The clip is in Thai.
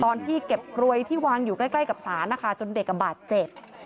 ตอนที่เก็บรวยที่วางใกล้กับสารนะคะจนเด็กอำบาดเจ็บ